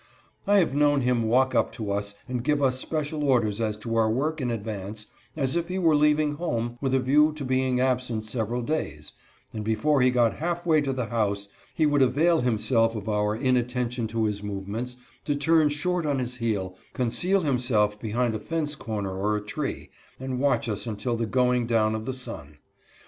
I have known him walk up to us and give us special orders as to our work in advance, as if he were leaving home with a view to being absent several days, and before he got half way to the house he would avail himself of our inattention to his movements to turn short on his heel, conceal himself behind a fence corner or a tree, and watch us until the going down of the sun.